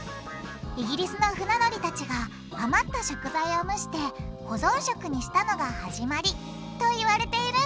イギリスの船乗りたちが余った食材を蒸して保存食にしたのが始まりと言われているんです！